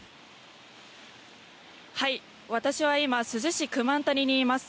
私は今、珠洲市熊谷にいます。